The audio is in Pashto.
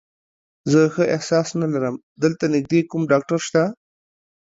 زه ښه احساس نه لرم، دلته نږدې کوم ډاکټر شته؟